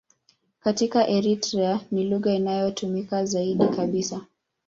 Katika Eritrea ni lugha inayotumiwa zaidi kabisa.